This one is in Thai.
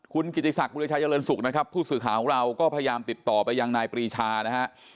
คุณกิจิศักดิ์บุริษัทเยาเรินศุกร์นะครับผู้สื่อขาของเราก็พยายามติดต่อไปยังนายปรีชานะฮะ